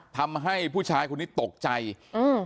ทำให้ผู้ชายคนนี้ตกใจอืม